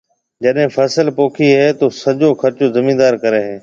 جڏَي فصل پوکيَ ھيََََ تو سجو خرچو زميندار ڪرَي ھيََََ